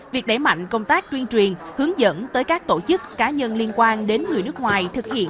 việc đẩy mạnh công tác tuyên truyền hướng dẫn tới các tổ chức cá nhân liên quan đến người nước ngoài thực hiện